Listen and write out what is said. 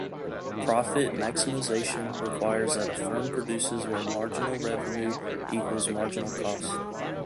Profit maximization requires that a firm produces where marginal revenue equals marginal costs.